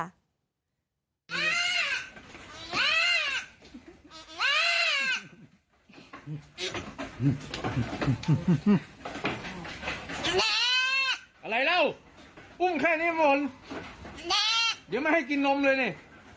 อะไรเล่ากุ้งแค่นี้หมดเดี๋ยวไม่ให้กินนมเลยนี่